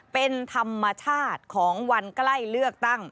เป็นธรรมชาติของวันใกล้เลือกตั้ง